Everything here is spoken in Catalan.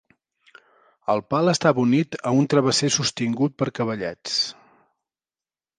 El pal estava unit a un travesser sostingut per cavallets.